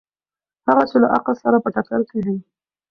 هغه چې له عقل سره په ټکر کې دي.